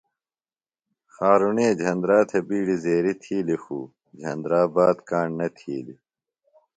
خارُݨے جھندرا تھےۡ بِیڈیۡ زیریۡ تِھیلیۡ خُو جھندرا بات کاݨ نہ تِھیلیۡ۔